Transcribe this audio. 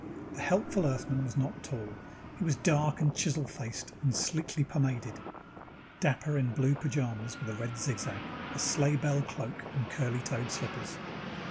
_ The helpful Earthman was not tall. He was dark and chisel faced and sleekly pomaded, dapper in blue pajamas with a red zigzag, a sleighbell cloak and curly toed slippers.